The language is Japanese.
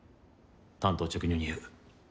単刀直入に言う。